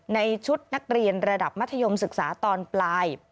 ในชุดนักเรียนระดับมัธยมศึกษาตอนปลาย